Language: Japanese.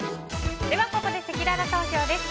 ここで、せきらら投票です。